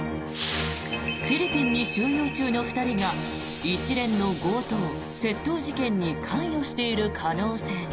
フィリピンに収容中の２人が一連の強盗・窃盗事件に関与している可能性が。